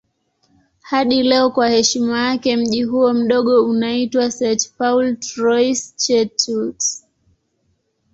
Hadi leo kwa heshima yake mji huo mdogo unaitwa St. Paul Trois-Chateaux.